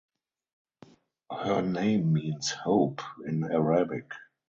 Her name means "hope" in Arabic.